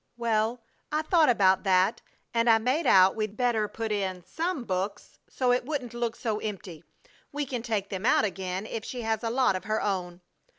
"Well, I thought about that, and I made out we'd better put in some books so it wouldn't look so empty. We can take them out again if she has a lot of her own!"